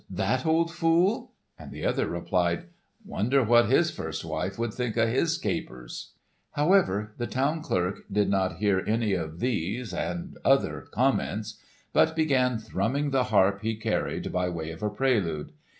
that old fool?" and the other replied, "Wonder what his first wife would think of his capers?" However, the town clerk did not hear any of these and other comments, but began thrumming the harp he carried, by way of a prelude.